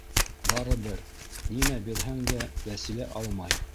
Барыбер, нимә бирһәң дә, Вәсилә алмай.